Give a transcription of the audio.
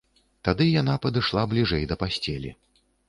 Тады яна падышла бліжэй да пасцелі.